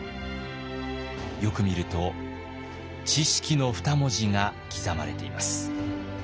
よく見ると「知識」の２文字が刻まれています。